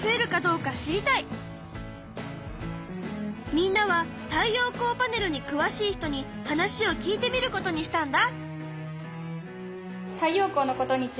みんなは太陽光パネルにくわしい人に話を聞いてみることにしたんだ。